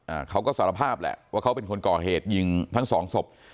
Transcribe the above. อ่าเขาก็สารภาพแหละว่าเขาเป็นคนก่อเหตุยิงทั้งสองศพ